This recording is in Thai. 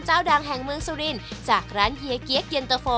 เจ้าดังแห่งเมืองสุรินจากร้านเฮียเกี๊ยเย็นเตอร์โฟ